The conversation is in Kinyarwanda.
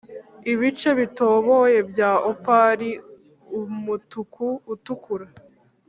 ibice bitoboye bya opal, umutuku utukura;